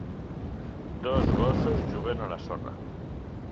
Dos gossos juguen a la sorra.